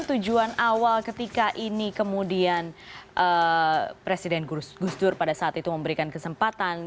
tujuan awal ketika ini kemudian presiden gus dur pada saat itu memberikan kesempatan